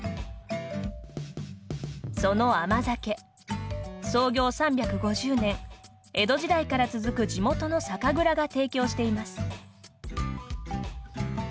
その甘酒、創業３５０年江戸時代から続く地元の酒蔵が提供しています。